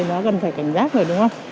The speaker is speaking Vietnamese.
nó gần phải cảnh giác rồi đúng không